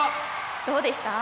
どうでした？